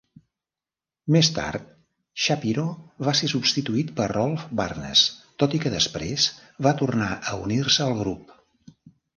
Més tard, Shapiro va ser substituït per Rolf Barnes, tot i que després va tornar a unir-se al grup.